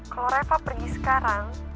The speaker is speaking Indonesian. kalau reva pergi sekarang